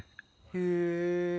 へえ。